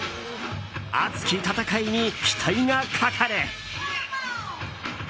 熱き戦いに期待がかかる！